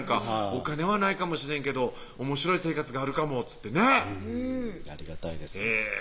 「お金はないかもしれんけどおもしろい生活があるかも」ってねありがたいです